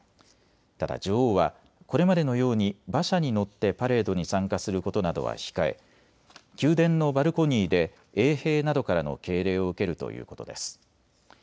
ただ女王は、これまでのように馬車に乗ってパレードに参加することなどは控え宮殿のバルコニーで衛兵などからの敬礼を受けるということです。